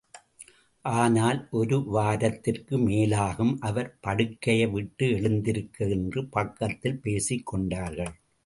ஆனால் ஒரு வாரத்திற்கு மேல் ஆகும் அவர் படுக்கையை விட்டு எழுந்திருக்க என்று பக்கத்தில் பேசிக்கொண்டார்கள்.